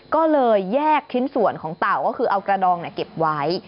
ก็เลยแยกชิ้นส่วนของเต่าก็คือเอากระดองเก็บไว้